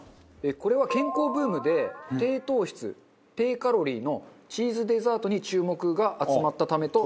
これは健康ブームで低糖質低カロリーのチーズデザートに注目が集まったためと。